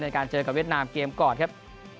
การเจอกับเวียดนามเกมก่อนครับ